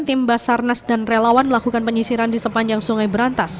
tim basarnas dan relawan melakukan penyisiran di sepanjang sungai berantas